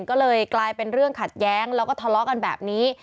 ก็เลยกลายเป็นเรื่องขัดแย้งแล้วก็ทะเลาะกันแบบนี้